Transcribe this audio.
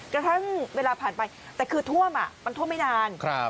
กระทั่งเวลาผ่านไปแต่คือท่วมมันท่วมไม่นาน